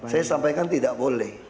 saya sampaikan tidak boleh